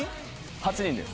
８人です。